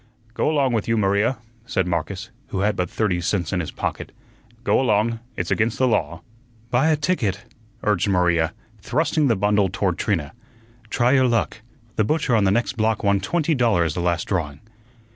"Go along with you, Maria," said Marcus, who had but thirty cents in his pocket. "Go along; it's against the law." "Buy a ticket," urged Maria, thrusting the bundle toward Trina. "Try your luck. The butcher on the next block won twenty dollars the last drawing."